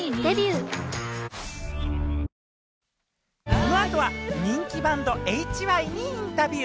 この後は人気バンド・ＨＹにインタビュー。